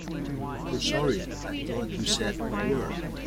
Oh, sorry, I thought you said you were.